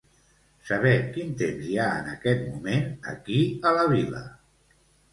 Saber quin temps hi ha en aquest moment aquí a la vila.